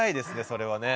それはね。